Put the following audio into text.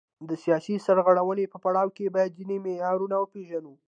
د سیاسي سرغړونې په پړاو کې باید ځینې معیارونه وپیژنو.